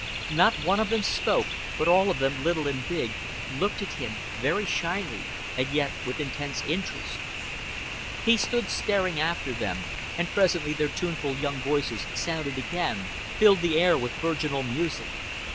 Not one of them spoke, but all of them, little and big, looked at him very shyly, and yet with intense interest. He stood staring after them, and presently their tuneful young voices sounded again, filled the air with virginal music.